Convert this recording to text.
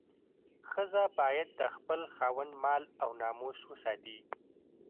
ښځه باید د خپل خاوند مال او ناموس وساتي.